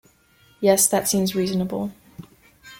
Yes, that seems reasonable.